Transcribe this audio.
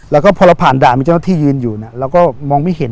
แล้วก็พอเราผ่านด่านมีเจ้าหน้าที่ยืนอยู่เราก็มองไม่เห็น